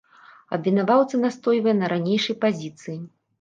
Абвінаваўца настойваў на ранейшай пазіцыі.